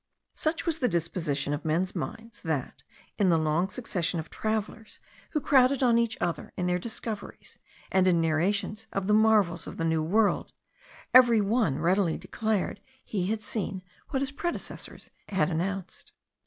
Such was the disposition of men's minds, that in the long succession of travellers, who crowded on each other in their discoveries and in narrations of the marvels of the New World, every one readily declared he had seen what his predecessors had announced.